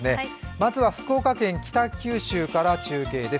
まずは福岡県北九州から中継です。